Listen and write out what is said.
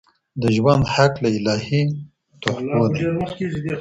د ژوند حق له الهي تحفو دی.